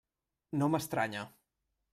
No m'estranya.